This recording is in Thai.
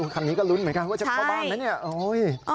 คันนี้ก็ลุ้นเหมือนกันว่าจะเข้าบ้านไหมเนี่ย